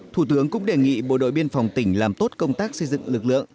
thủ tướng cũng đề nghị bộ đội biên phòng tỉnh làm tốt công tác xây dựng lực lượng